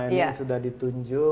ini sudah ditunjuk